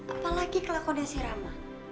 apa lagi kelakuan si rama